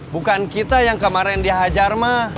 bukan kita yang kemarin dihajar mah